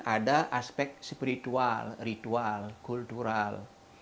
ada aspek spiritual ritual kultural